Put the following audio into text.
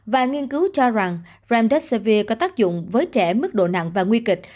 và nghiên cứu cho rằng franddussivir có tác dụng với trẻ mức độ nặng và nguy kịch